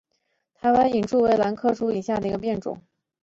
台湾隐柱兰为兰科隐柱兰属下的一个变种。